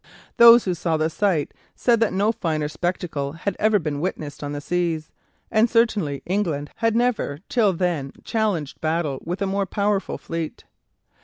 Those who saw the sight said that no finer spectacle had ever been witnessed on the seas, and certainly England had never till then challenged battle with a more powerful fleet.